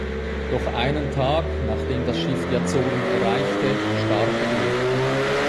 Doch einen Tag, nachdem das Schiff die Azoren erreichte, starb er.